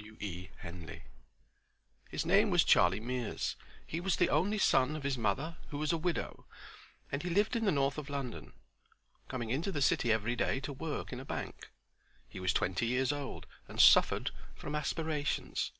—W. E. Henley. His name was Charlie Mears; he was the only son of his mother who was a widow, and he lived in the north of London, coming into the City every day to work in a bank. He was twenty years old and suffered from aspirations.